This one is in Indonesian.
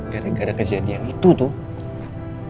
gara gara kejadian itu tuh